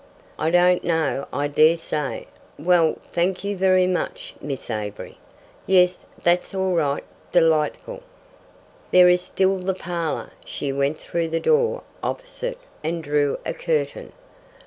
"I don't know I dare say. Well, thank you very much, Miss Avery. Yes, that's all right. Delightful." "There is still the parlour." She went through the door opposite and drew a curtain.